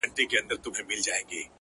زيرى د ژوند ـ